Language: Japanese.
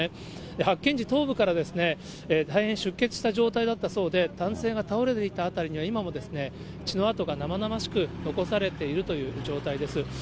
発見時、頭部から大変出血した状態だったそうで、男性が倒れていた辺りには、今も血の跡が生々しく残されているという状態です。